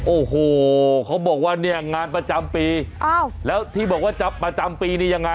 โอ้โหเขาบอกว่าเนี่ยงานประจำปีอ้าวแล้วที่บอกว่าจับประจำปีนี่ยังไง